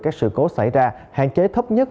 các sự cố xảy ra hạn chế thấp nhất